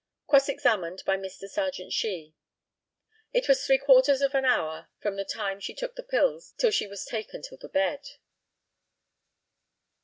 Cross examined by Mr. Serjeant SHEE: It was three quarters of an hour from the time she took the pills till she was taken to the bed.